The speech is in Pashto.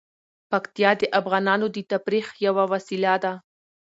پکتیا د افغانانو د تفریح یوه وسیله ده.